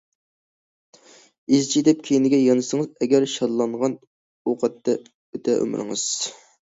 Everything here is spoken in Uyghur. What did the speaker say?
ئىزچى دەپ كەينىگە يانسىڭىز ئەگەر، شاللانغان ئوقەتتە ئۆتە ئۆمرىڭىز.